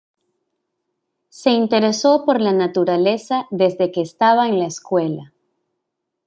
Se interesó por la naturaleza desde que estaba en la escuela.